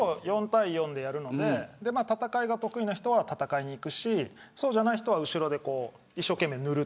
４対４でやるので戦いが得意な人は戦いに行くしそうじゃない人は後ろで一生懸命塗る。